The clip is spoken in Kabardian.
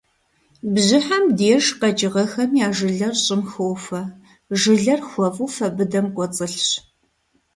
Бжьыхьэм деж къэкӏыгъэхэм я жылэр щӏым хохуэ, жылэр хуэфӏу фэ быдэм кӏуэцӏылъщ.